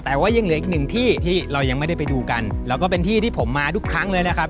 แต่ว่ายังเหลืออีกหนึ่งที่ที่เรายังไม่ได้ไปดูกันแล้วก็เป็นที่ที่ผมมาทุกครั้งเลยนะครับ